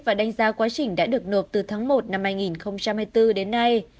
và đánh giá quá trình đã được nộp từ tháng một năm hai nghìn hai mươi bốn đến nay